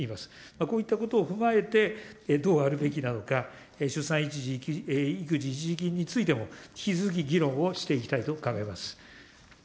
こういったことを踏まえて、どうあるべきなのか、出産育児一時金についても、引き続き議論をしていきたいと考えます。